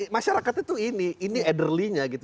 masyarakatnya tuh ini ini elderlynya gitu